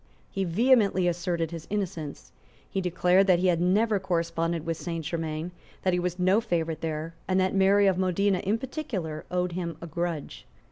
He vehemently asserted his innocence. He declared that he had never corresponded with Saint Germains, that he was no favourite there, and that Mary of Modena in particular owed him a grudge.